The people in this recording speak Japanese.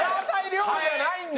亮じゃないんだ。